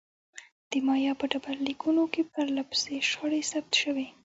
د مایا په ډبرلیکونو کې پرله پسې شخړې ثبت شوې.